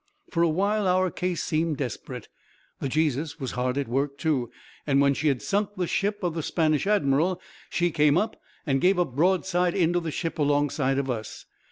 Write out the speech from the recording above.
"For a while our case seemed desperate. The Jesus was hard at work, too; and when she had sunk the ship of the Spanish admiral, she came up, and gave a broadside into the ship alongside of us.